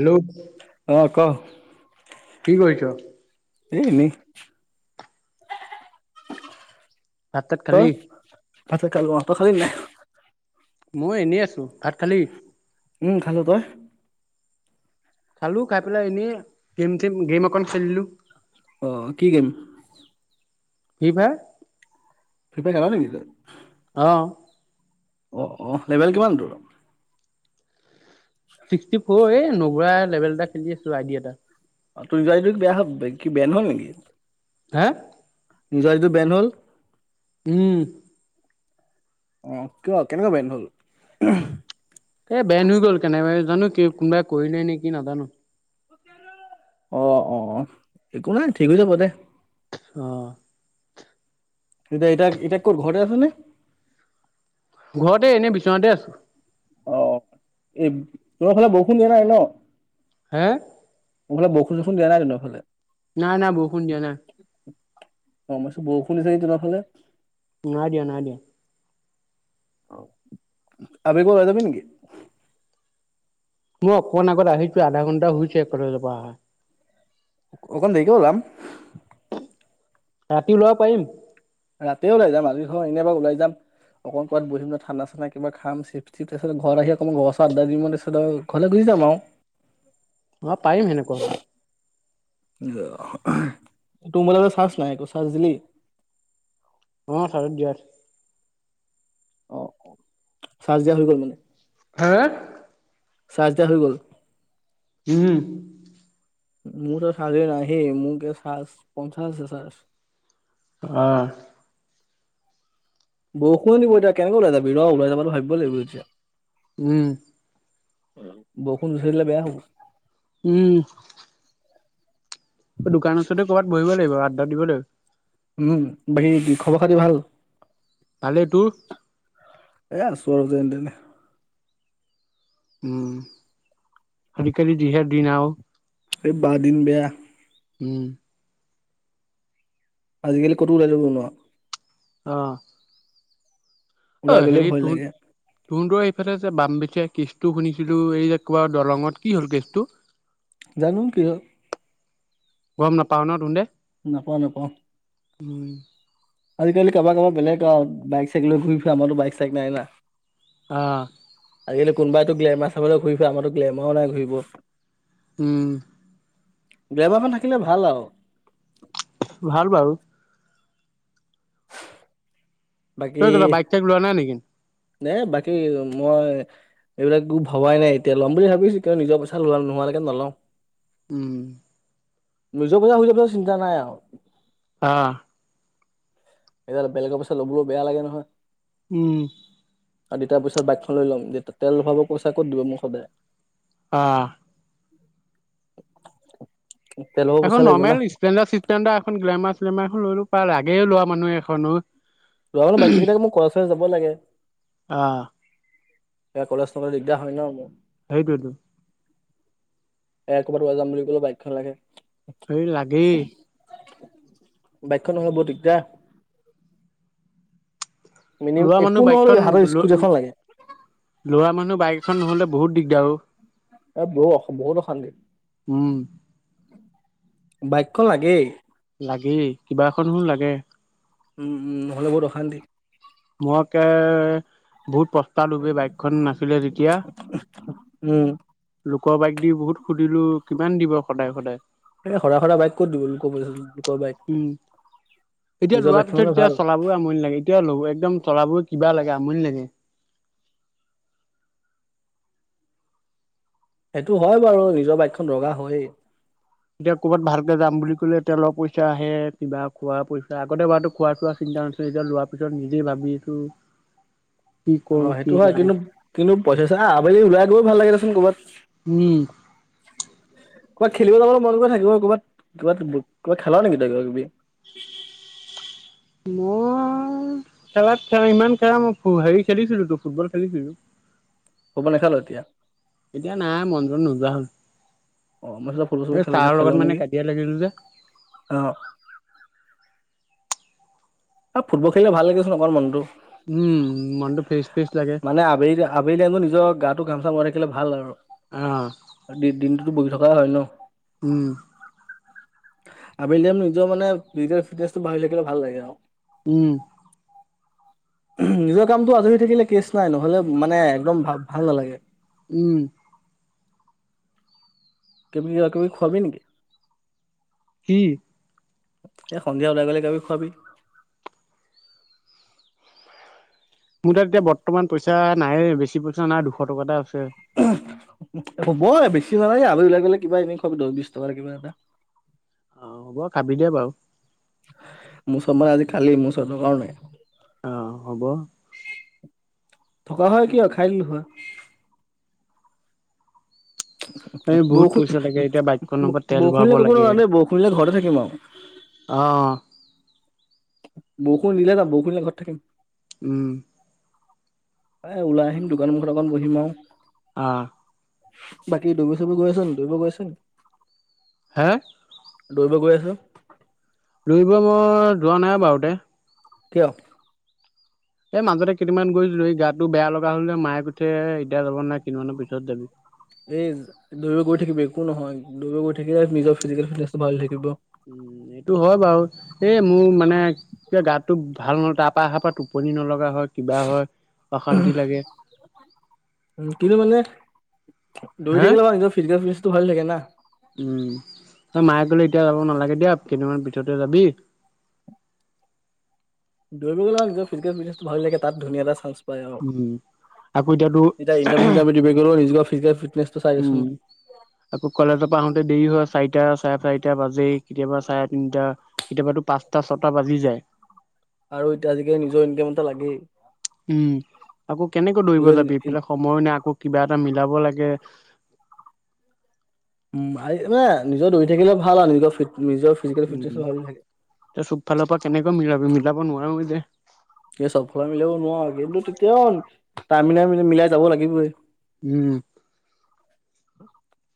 Hello অ ক কি কৰিছ এ এনেই ভাত তাত খালি? তই ভাত- চাত খালোঁ অ তই খালি নাই। মই এনেই আছোঁ ভাত খালি। উম! খালোঁ তই? খালোঁ খাই পেলাই এনেই গেম থম গেম অকন খেলিলোঁ। আহ কি গেম ফিৰিফায়াৰ [unintelligible] অহ অ অহ লেভেল কিমান তোৰ? ছিক্সটি ফৰ এই নুঘূৰাই লেভেল এটা খেলি আছো আইডিয়া এটা। [unintelligible] হে নিজৰিত বেন হল উম! অ কিয় কেনেকুৱা বেন হল এ বেন হয় গ'ল কেনেবাই জানো কোনোবাই কৰিলে নেকি নাজানো অ অ অ একো নাই ঠিক হৈ যাব দে। অ এতিয়া এটা এতিয়া কত ঘৰতে আছে নে? ঘৰতে এনে বিচনাতে আছোঁ। অ এই তোমাৰ ফালে বৰষুণ দিয়া নাই ন। হে এইফালে বৰষুণ বৰষুণ দিয়া নাই এইফালে। ন না বৰষুন দিয়া নাই। অ আমাৰ চোন বৰষুণ দিছে নেকি তোমাৰ ফালে। নাই দিয়া, নাই দিয়া। অ আবেলি ওলাই যাবি নেকি? মই অকমান আগত আহিছো আধা ঘণ্টা হৈছে কলেজৰ পৰা অহা। অকন দেৰি কে উলাম। ৰাতি যাব পাৰিম। ৰাতি ওলাই যাম আজি ঘ এনেই এবাৰ ওলাই যাম। অকণ কৰবাত বহি পেলায় ঠাণ্ডা চাণ্ডা কিবা খাম চিপ -টিপ ঘৰত আহি অকমান গছাত দালিম তাৰিছত ঘৰলৈ গৈ হৈ যাব। মই পাৰিম সেনেকুৱা হলে। তো ম'বাইল চাৰ্ছ নাই চাৰ্ছ দিলি। অ চাজত দিয়া আছে। অ অ চাৰ্ছ দিয়া হৈ গ'ল মানে। হা চাৰ্জ দিয়া হৈ গ'ল। উম! মোৰতো চাৰ্ছ নাহি মোৰ কি চাজ পঞ্চাছছে চাজ। অহ। বৰষুণ দিব এতিয়া কেনেকে ওলাই যাবি ৰ ওলাই যাব বুলি ভাবিব লাগিব এতিয়া। উম। বৰষুণ দি থাকিলে বেয়া হ'ব। উম। দোকান ওচৰতে ক'ৰবাত বহিব লাগিব আড্ডা দিব লাগিব। উম বাকী কি খবৰ খাতি ভাল? ভালে। তোৰ? এ আছোঁ আৰু যেন তেনে। উম খাল কালি দিহাৰ দিন আহও। এই বাদিন বেয়া। উম। আজিকালি কটু ওলাই যাব নুৱাঅ। অহ। অ ওলাই গ'লে হেৰি ভয় ত লাগে তহ ত এইফালে বাম বিশেষ কেচটো শুনিছিলো, এই যে কবা দলঙত কি হ'ল কেচটো? জানো কি হল। গম নাপাও ন ত দে? নাপাওঁ নাপাওঁ। উম। আজিকালি কাৰবা কাৰবা বেলেগ বাইক চাইক লৈ ঘূৰি ফুৰে, আমাৰতো বাইক চাইক নাই না। আহ। আজিকালি কোনোবাইাতো গ্লেমাৰ চাবলৈ ঘূৰি ফুৰে, আমাৰত গ্লেমাৰো নাই ঘূৰিব। উম। ড্ৰেভাৰ মান থাকিলে ভাল আৰু। ভাল বাৰু। তই বাইক চাইক লোৱা নাই নেকি? নে বাকী মই এইবিলাক একো ভবাই নাই এতিয়া, ল'ম বুলি ভাবিছো কিয় নিজৰ পইচা লোৱা নোহোৱৈকে নলওঁ। উম। নিজৰ পইচা বুলি কলে চিন্তা নাই আৰু। অ। এতিয়া বেলেগৰ পইচা ল'বলৈও বেয়া লাগে নহয়। উম। আৰু দেউতাৰ পিছত বাইকখন লৈ ল'ম, যে তেল ভৰাব পইচা ক'ত দিব মোক সদায়। অহ। তেল ভৰাব এখন পইচা লাগিব না নৰ্মেল স্পেলেণ্ডাৰ চিচপ্লেণ্ডাৰ এখন গ্লেমাৰ শ্লেমাৰ এখন লৈলো পায়, লাগে লোৱা মানুহ এখনো। ৰোৱা মানে বাক কেইটাক মোৰ খৰচ যাব লাগে। আহ, এয়া কলেজ নগলে দিগদাৰ হয় ন মোৰ। সেইটোয়েটো। এ ক'ৰবাত ওলাই যাম বুলি ক'লে বাইকখন লাগে। এই লাগেই। বাইকখন নহয় বৰ দিগদাৰ। মিনিম লৰা একো মানুহ নহ'লেও বাইকখন হাতত ল স্কুটি ল এখন লাগে লৰা মানুহ বাইক এখন নহলে বহুত দিগদাৰ অ। এ বহু অ বহুত অশান্তি। উম বাইকখন লাগেই। খনো লাগে। উম উম, নহলে বৰ অশান্তি। মই কে বহুত প্ৰস্তালো বাইকখন নাছিলে তেতিয়া। লো উম লোকৰ বাইক দি বহুত সুধিলো কিমান দিব সদায় সদায়। এ সদায় সদায় বাইক ক'ত দিব লোক পইচা লোকৰ বাইক। উম এতিয়া নিজৰ লোৱাৰ বাইকখন পিছত হ'লে এতিয়া ভাল চলাব আমনি ন লাগে এতিয়াও ল'ব একদম তৰাবোৰ কিবা লাগে আমনি লাগে। সেইটো হয় বাৰু নিজৰ বাইকখন দৰকাৰ হৈয়ে। এতিয়া ক'ৰবাত ভালকে যাম বুলি ক'লে তেলৰ পইচা আহে কিবা খোৱা পইচা আগতে বাৰু খোৱা চোৱা চিন তা আছে এতিয়া লোৱাৰ পিছত নিজে ভাবিছোঁ। অ সেইটো হয় কিন্তু কিন্তু পইচা চা আবেলি লাই গৈ ভাল লাগে দেচোন কৰবাত। উম। ক'ৰবাত খেলিব যাবলৈ মন গ থাকিব ক'ৰবাত কবাত ক'ৰবাত খেলা নেকি ত কিবা কিবি? মই খেলাত খেলা ইমান খেলা মই হেৰি খেলিছিলো তো ফুটবল খেলিছিলো। ফুটবল নেখেল এতিয়া? এতিয়া নাই মন নোযোৱা হ'ল। অ মই চ ফুটবল চুটবল এই খেল ছাৰৰ খেল লগত মানে নেকি কাজিয়া লাগিলো যে অ। ফুটবল খেলিলে ভাল লাগে দেচোন মনটো। উম মনটো ফেচ মানে আবেলি আবেলি টাইমত নিজৰ গাটো ঘাম চাম থাকিলে ভাল আৰু। আহ। দিনটোতো বহি থকা হয় ন। উম আবেলি নিজৰ মানে ফিজিকেল ফিটনেচটো বাঢ়ি থাকিলে ভাল লাগে আৰু। উম। নিজৰ কামটো আজৰি থাকিলে কেচ নাই নহলে মানে একদম ভাল ভাল নালাগে। উম। কেমি কিবা কিবি খুৱাবি নেকি? কি? এ সন্ধিয়া ওলাই গলে কিবা খোৱাবি। মোৰ তাত এতিয়া বৰ্তমান পইচা নাই বেছি পইচা নাই দুশ টকা এটা আছে। হ'ব বেছি নালাগে আৰু ওলাই গ'লে কিবা এনে খুৱাবি দশ বিশ টকাৰ কিবা এটা। অ হ'ব খাবি দিয়া বাৰু। মোৰ ওচৰত মানে আজি খালি মোৰ ওচৰত টকাও নাই। অ হ'ব থকা হয় কিয় খাই দিলো হয়। । [inaudible] এ বহুত বৰষুণ পইচা লাগে এতিয়া বাইকখনৰ পৰা তেল বৰষুণ ভৰাব দিলে ক'তো লাগে। নাযাওঁ দেই বৰষুণ দিলে ঘৰতে থাকিম আৰু অ। বৌষুণ নিলে যা বৌষুণ দিলে ঘৰত থাকিম। উম। এ ওলাই আহিম দোকান মুখত অকণ বহিম আৰু। আ বাকী ডুবি চুবি গৈ আছ নি ডুবি গৈ আছ? হে? দৌৰিব গৈ আছো। দৌৰিব মই যোৱা নাই বাৰু দে। কিয়? এই মাজতে কেইদিনমান গৈছিলো এই গাটো বেয়া লগা হল যে মায়ে কৈছে এতিয়া যাব নালাগে কেইদিনমানৰ পিছত যাবি। এই দৌৰিব গৈ থাকিবি একো নহয় দৌৰিব গৈ থাকিলে নিজৰ ফিজিকেল -ফিটনেচটো ভাল থাকিব। উম, এইটো হয় বাৰু এই মোৰ মানে এতিয়া গাটোভাল নহৈ তাৰ পৰা অহাৰ পৰা টোপনি নলগা [unintelligible] হয়, কিবা হয় অশান্তি লাগে। উম, কিন্তু মানে দৌৰি হা থাকিলে বা নিজৰ ফিজিকেল ফিটছ টো ভাল থাকে না। উম, মায়ে কলে এতিয়া যাব নালাগে দিয়া কেইদিনমান পিছতে যাবি। [inaudible] দৌৰি [unintelligible] নিজৰ ফিজিকেল ফিটনেচটো ভাল লাগে তাত ধুনীয়া এটা চাইজ উম। আকৌ এতিয়াতো এতিয়া ইন্টাৰভিউ - দিব গলেও নিজৰ ফিজিকেল ফিটনেছটো চাই উম দেচোন। আকৌ কলেজৰ পৰা আহোতে দেৰি হয় চাৰিটা চাৰে চাৰিটা তিটা বাজেই। কেতিয়াবা চাৰে তিনটা কেতিয়াবাটো পাঁচটা ছটা বাজি যায়। আৰু এতিয়া আজিকালি নিজৰ ইনকাম এটা লাগেই। উম, আকৌ কেনেকৈ দৌৰিব নিজৰ যাবি ইফালে সময়ো নাই আকৌ কিবা এটা মিলাব লাগে উম, মানে নিজৰ দৌৰি থাকিলে ভাল আৰু নিজৰ ফিট নিজৰ ফিজিকেল ফিটনেছো ভাল থাকে। এ চব ফালৰ পৰা কেনেকৈ মিলাবি মিলাব নোৱাৰো যে। এই চব ফালে মিলাব নোৱাৰা কিন্তু, তেতিয়াও টাইম মিলাই -মিলাই যাব লাগিবয়ে। উম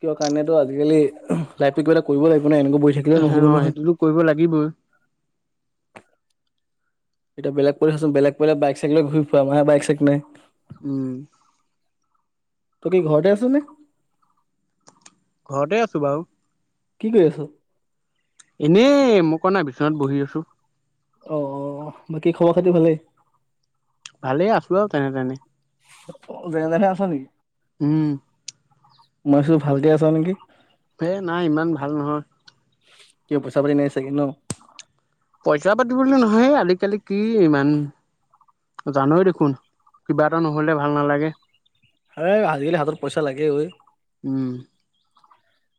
কিয় কাৰণেতো আজিকালি লাইফ পিক' এটা কৰিব লাগিব। আপুনি এনেকে বহি থাকিলে নহ'ব অ' নহয়। সেইটোতো কৰিব লাগিবই [unintelligible] উম। তই কি ঘৰতে আছ নে? ঘৰতে আছো বাৰু। কি কৰি আছ? এনেই মই কোৱা নাই বিচনাত বহি আছো। অ', - অ', - অ', বাকী খবৰ খাতি ভালে? ভালেই আছো আৰু যেনে -তেনে। যেনে তেনে আছ নেকি? উম। মই চো ভালকে আছা নেকি? হে নাই ইমান ভাল নহয়। কি পইছা-পাতি নাই চাগে ন? পইচা-পাতি বুলি নহয় আজিকালি কি ইমান জানয় দেখোন কিবা এটা নহলে ভাল নালাগে। এই আজিকালি হাতত পইচা লাগে ঐ। উম,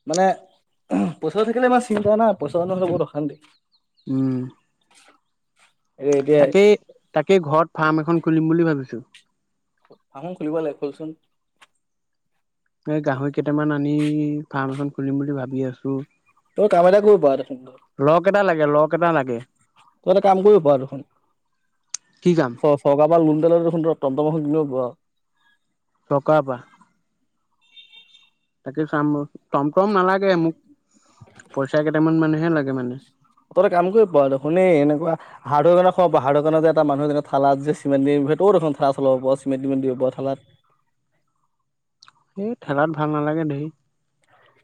মানে পইচাটো থাকিলে ইমান চিন্তা নাই পইচা নহ'লে বহুত অশান্তি। উম। [inaudible] এ এতিয়া তাকেই তাকেই ঘৰত ফাৰ্ম এখন খুলিম বুলি ভাবিছো। আহো খুলিব লাগে খলচোন। এই গাহৰি কেইটামান আনি ফাৰ্ম এখন খুলিম বুলি ভাবি আছো। তই কাম এটা কৰিব পাৰ দেখোন। লগ এটা লাগে লগ এটা লাগে তই এটা কাম কৰিব দেখোন। কি কাম চ চৰকাৰ পৰা লোন এটা লৈ দেখোন তম তম এখন কিনি লব পাৰ। চৰকাৰৰ পৰা। তাকে চাম টমটম নালাগে মোক। পইচা কেইটামান মানেহে লাগে মানে ত ততে কাম কৰিব পোৱা দে শুনে এনেকুৱা-। - হাতদোকান হাতদোকান যে এটা মানুহ যেনে থালাত যে চিমেণ্ট দি সেইও দেখখন থালা চলাব চিমেণ্ট দিব পাৰ থালাত। এই ঠেলাত ভাল নালাগে দেই।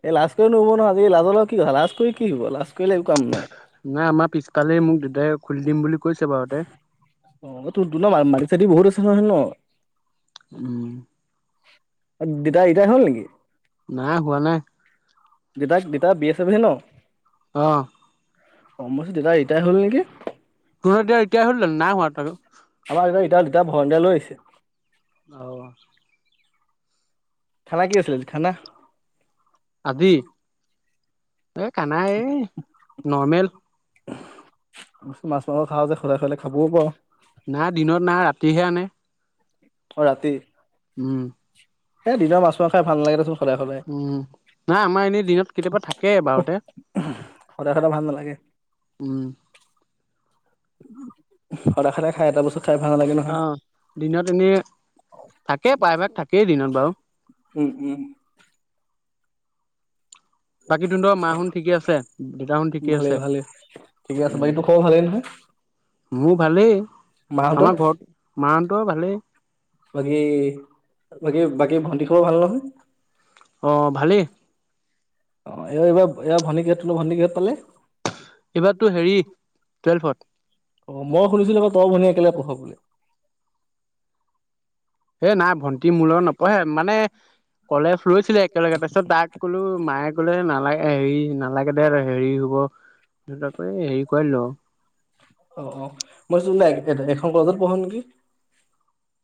এই লাজ কৰি নহব নহয় আজি লাজৰ লগও কি কথা লাজষ্ট কৰি কি হ'ব লাজষ্ট কৰিলে একো কাম নাই। নাই আমাৰ পিছফালে মোক দেউতাই খুলি দিম বুলি। কৈছে বাৰুতে অ, তোৰ ত মাটিক চাটি বহুত আছে নহয় ন? উম। দেউতা ঋতাই হ'ল নেকি? নাই হোৱা নাই। দেউতা দেউতা বি এচ এফ য়ে ন। অ। অ দেউতা ঋতাই হ'ল নেকি। দিয়া ঋতাই হল নি নাইহোৱা। ইতাল দুতা ভৰিয়া লৈ আহিছে। অ। খানা কি আছিলে আজি খানা। আজি এ কানাই এই নৰ্মেল। মাছ মাংস খাওঁ যে সদায় সদায় খাবওঁ পাৰো। নাই দিনত নাই ৰাতিহে আনে। অ ৰাতি। উম। এই দিনত মাছ মাংস খাই ভাল নালাগে দে চোন। উম নাই আমাৰ এনেই দিনত কেতিয়াবা থাকে‌ বাৰুতে। সদায় সদায় ভাল নালাগে। উম। সদায় সদায় খাই এটা বস্তু। খাই ভাল নালাগে নহয় আ দিনত এনেই থাকেই প্ৰায়ভাগ থাকেই দিনত বাৰু উম উম। বাকী তহঁতৰ মা হুন ঠিকে আছে দেউতাহুন ঠিকে ভালে আছে ভালে ঠিকে আছে উম। বাকী তোৰ খবৰ ভালেই নহয় মোৰ ভালেই। আমাৰ মাহঁতৰ ঘৰত মাহঁতৰ ভালেই বাকি বাকি। কি ভণ্টি খাবৰ ভাল নহয়। অ ভালেই। অ এ এইবাৰ এইবাৰ ভনী তহঁতৰ ভন্টি কিহত পালে। এইবাৰ তোৰ হেৰি টুৱেলফত। অ মই শুনিছিলো আকৌ তই ভনি একেলগে পঢ় বুলি। হে নাই ভন্টি মোৰ লগত নপঢ়ে মানে কলেজ। লৈছিলে একেলগে তাৰপিছত তাক ক'লো মায়ে ক'লে না। হেৰি নালাগে দে হেৰি হব কৰি হেৰি কৰাই দিলোঁ আৰু। অ অ মই এখন কলেজত পঢ় নেকি।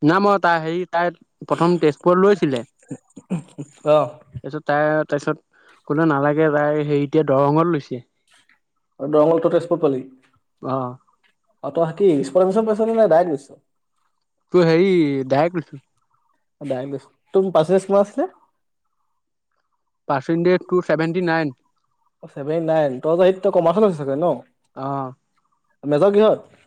না মই তাই হেৰি তাই প্ৰথম তেজপুৰত লৈছিলে। অ তাৰপিছত তাই। তাৰপিছত ক'লে নালাগে তাই হেৰি এতিয়া দৰঙত লৈছে। আৰু দৰঙটো তই তেজপুৰত পালি অ অ তই [unintelligible] স্কুলৰ পাইছ নে ডাইৰেক লৈছ তু হেৰি ডাইৰেক লৈছোঁ। ডাইৰেক্ট লৈছোঁ। তোৰ পাৰচেনটেজ কিমান আছিলে? Percentage two seventy nine. Seventy nine, তই কমাৰ্চছে চাগে ন? অ মেজৰ কিহঁত?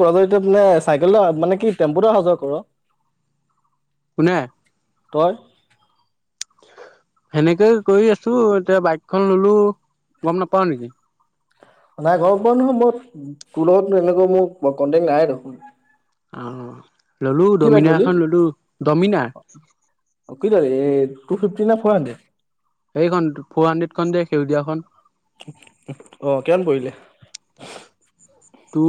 কলেজত মানে চাইকেল মানে কি টেম্পুতে অহা যোৱা কৰ। [inaudible] কোনে? তই। সেনেকে কৰি আছো এতিয়া বাইকখন ললো। গম নাপাও নেকি? নাই গম পোৱা নহয় মই তোৰ লগত এনেকুৱা মোৰ কন্টেক নাই দেখোন। অ ললো কি বাইক দমিনা ল'লি? এখন ললো দমিনাৰ। অ' কি ল'লি এই টু ফিফটি না ফ'ৰ হাণ্ড্ৰেড? সেইখন ফ'ৰ হাণ্ড্ৰেড খন সেউজীয়াখন। অ কিমান পৰিলে? টু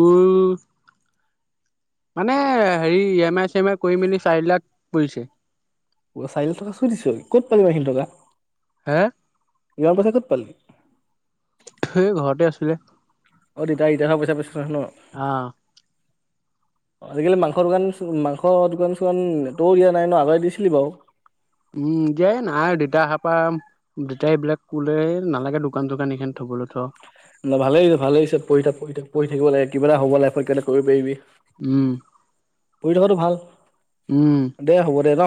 মানে হেৰি এম আই চেম আই কৰি মেলি চাৰি লাখ পৰিছে। চাৰি লাখ টকা চুই দিছো ক'ত পালি ইমাখিনি টকা? হে? ইমান পাইচা ক'ত পালি। হে ঘৰতে আছিলে। অ দেতাই ৰিটাই হোৱা পইচা পাইছ ন। আহ [inaudible] আজিকালি মাংস দোকান, মাংস দোকান চোকানটোও দিয়া নাই ন, আগতে দিছিলি বাও। দেতাই এইবিলাক কোলে নালাগে দোকান চোকান এইখিন থবলৈ থ। ন ভালেই ভালেই হৈছে পঢ়ি হৈ পাৰিবি। উম। পঢ়ি থকাটো ভাল। উম দে হ'ব দে ন।